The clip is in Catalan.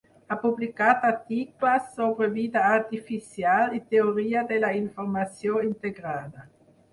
Ha publicat articles sobre vida artificial i teoria de la informació integrada.